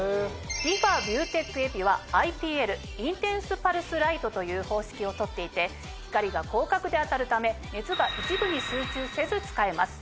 リファビューテックエピはＩＰＬインテンス・パルス・ライトという方式を取っていて光が広角で当たるため熱が一部に集中せず使えます。